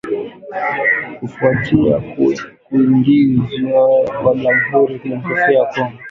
kufuatia kuingizwa kwa Jamhuri ya Kidemokrasi ya Kongo kuwa